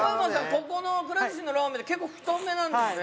ここのくら寿司のらーめんって結構太麺なんですね。